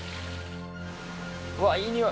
うわいい匂い！